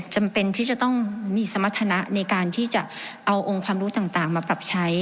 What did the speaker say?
จำเป็นที่จะต้องมีสมรรถนะในการที่จะเอาองค์ความรู้ต่างมาปรับใช้